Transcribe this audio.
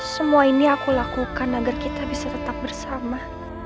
semua ini aku lakukan agar kita bisa tetap bersama